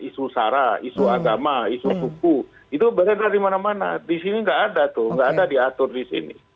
isu sara isu agama isu suku itu berada dimana mana disini tidak ada tuh tidak ada diatur disini